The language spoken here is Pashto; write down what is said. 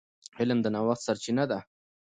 علم د نوښت سرچینه ده.